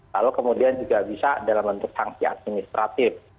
lalu kemudian juga bisa dalam bentuk sanksi administratif